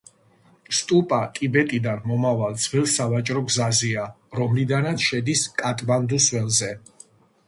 სტუპა ტიბეტიდან მომავალ ძველ სავაჭრო გზაზეა, რომლიდანაც შედის კატმანდუს ველზე.